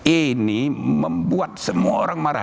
ini membuat semua orang marah